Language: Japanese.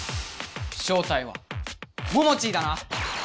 正体はモモチーだな！